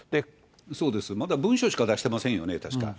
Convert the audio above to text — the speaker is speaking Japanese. そうです、まだ文書しか出してませんよね、確か。